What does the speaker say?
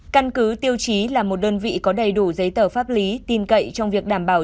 căn cứ tiêu chí là một đơn vị có đầy đủ giấy tờ pháp lý tin cậy trong việc đảm bảo